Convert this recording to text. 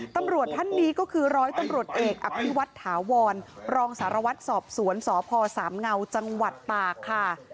ตำรวจท่านนี้ก็คือร้อยตำรวจเอกอภิวัตถาวรรองสารวัตรสอบสวนสพสามเงาจังหวัดตากค่ะ